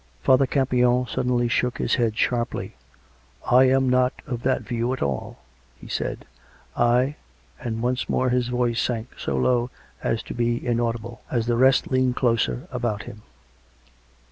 Father Campion suddenly shook his head sharply. " I am not of that view at all," he said. " I " And once more his voice sank so low as to be inaudible; as the rest leaned closer about him.